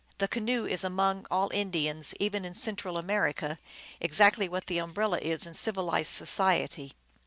The canoe is among all Indians, even in Central America, exactly what the umbrella is in civilized society.